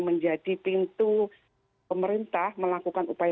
menjadi pintu pemerintah melakukan upaya